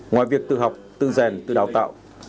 ngoài việc tự học tự rèn tự đào tạo